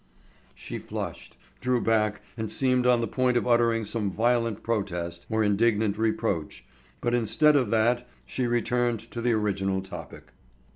She flushed, drew back and seemed on the point of uttering some violent protest or indignant reproach, but instead of that she returned to the original topic.